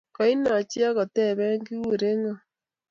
koinokchi akotebe kikure ngo